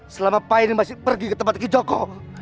selama pak edi masih pergi ke tempat kijoko